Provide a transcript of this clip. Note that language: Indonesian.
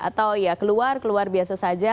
atau ya keluar keluar biasa saja